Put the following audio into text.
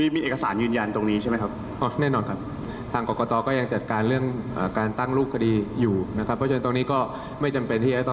เมื่อวานคุณพิธาก็โพสต์เฟซบุ๊คใช่มั้ยฮะ